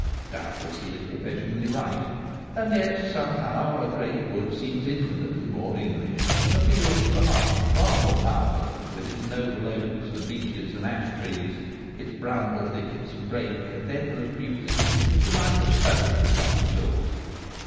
Doubtless he is professionally right ; and yet somehow a great wood seems infinitely more English and appeals to the heart far more powerfully, with its [noble oaks and beeches and ash trees, its bramble thickets and brake, and endless beauties which a life of study will not exhaust Trespassers.